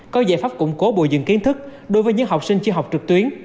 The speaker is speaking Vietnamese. có giải pháp củng cố bùi dừng kiến thức đối với những học sinh chưa học trực tuyến